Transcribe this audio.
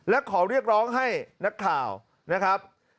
และขอเรียกร้องให้นักข่าวนะครับ